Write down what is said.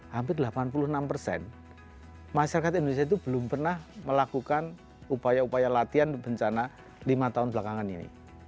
hampir delapan puluh enam persen masyarakat indonesia itu belum pernah melakukan upaya upaya latihan bencana lima tahun belakangan ini